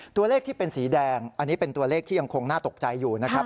ที่เป็นสีแดงอันนี้เป็นตัวเลขที่ยังคงน่าตกใจอยู่นะครับ